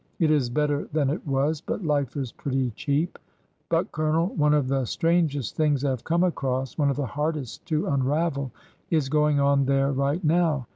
It is better than it was ; but life is pretty cheap. ... But, Colonel, one of the strangest things I have come across— one of the hardest to unravel— is going on there right now.